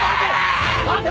待て！